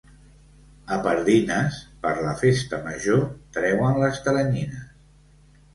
A Pardines, per la festa major, treuen les teranyines.